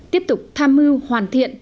tiếp tục tham mưu hoàn thiện